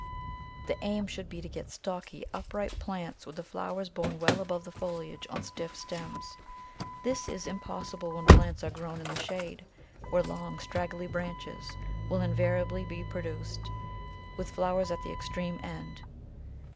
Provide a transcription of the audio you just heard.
The aim should be to get stocky, upright plants with the flowers borne well above the foliage on stiff stems. This is impossible when plants are grown in the shade, where long, straggly branches will invariably be pro duced, with flowers at the extreme end.